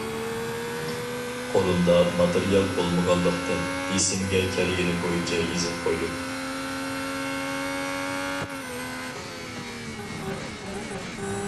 قولۇمدا ماتېرىيال بولمىغانلىقتىن، ئېسىمگە كەلگىنى بويىچە يېزىپ قويدۇم.